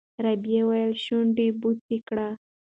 رابعې ولې شونډه بوڅه کړه؟